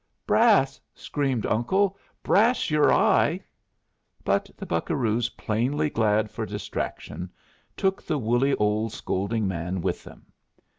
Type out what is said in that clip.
"Brass!" screamed Uncle. "Brass your eye!" But the buccaroos, plainly glad for distraction, took the woolly old scolding man with them.